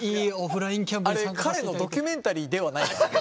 あれ彼のドキュメンタリーではないからね。